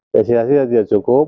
destinasi tidak cukup